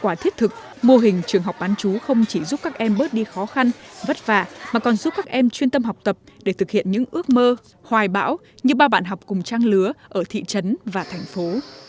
quả thiết thực mô hình trường học bán chú không chỉ giúp các em bớt đi khó khăn vất vả mà còn giúp các em chuyên tâm học tập để thực hiện những ước mơ hoài bão như bao bạn học cùng trang lứa ở thị trấn và thành phố